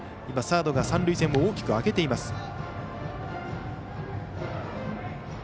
今、サードが三塁線を大きく開けています。